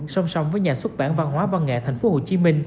song song với nhà xuất bản văn hóa văn nghệ tp hcm